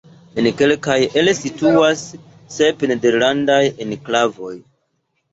En kelkaj el ili situas sep nederlandaj enklavoj.